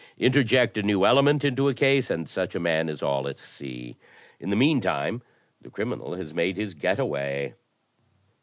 Interject a new ele ment into a case and such a man is all at sea. In the mean time the criminal has made his *get away.'